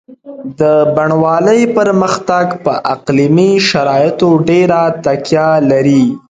د بڼوالۍ پرمختګ په اقلیمي شرایطو ډېره تکیه لري.